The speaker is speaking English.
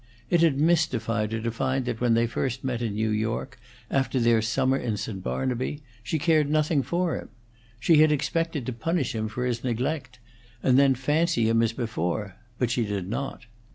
It had mystified her to find that when they first met in New York, after their summer in St. Barnaby, she cared nothing for him; she had expected to punish him for his neglect, and then fancy him as before, but she did not.